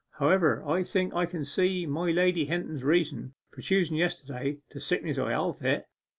However, I think I can see my lady Hinton's reason for chosen yesterday to sickness or health it.